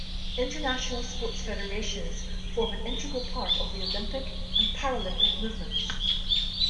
International sports federations form an integral part of the Olympic and Paralympic movements.